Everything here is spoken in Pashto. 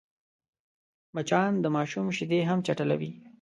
مچان د ماشوم شیدې هم چټلوي